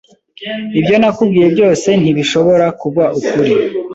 Ibyo nakubwiye byose ntibishobora kuba ukuri.